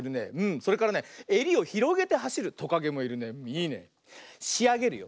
それからねえりをひろげてはしるトカゲもいるね。いいね。しあげるよ。